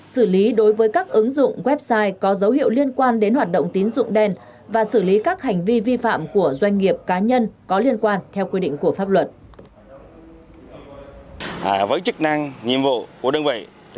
xử lý đối với các ứng dụng website có dấu hiệu liên quan đến hoạt động tín dụng đen và xử lý các hành vi vi phạm của doanh nghiệp cá nhân có liên quan theo quy định của pháp luật